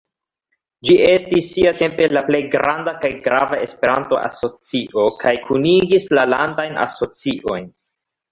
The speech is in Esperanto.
Ĝi estis siatempe la plej granda kaj grava Esperanto-asocio, kaj kunigis la Landajn Asociojn.